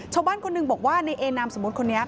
ชาวบ้านคนหนึ่งบอกว่าในเอนามสมมุติคนนี้